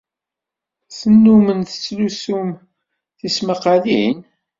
Tennummem tettlusum tismaqqalin?